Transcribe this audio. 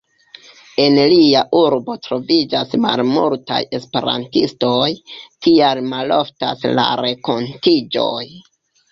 En lia urbo troviĝas malmultaj esperantistoj, tial maloftas la renkontiĝoj.